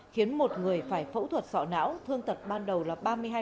khiến một người phải phẫu thuật sọ não thương tật ban đầu là ba mươi hai